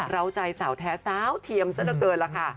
เราใจสาวแท้สาวเทียมซะละเกินล่ะค่ะ